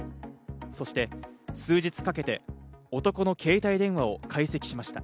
そして数日かけて男の携帯電話を解析しました。